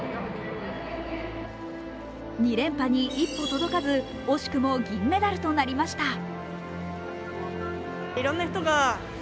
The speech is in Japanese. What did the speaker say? ２連覇に一歩届かず惜しくも銀メダルとなりました。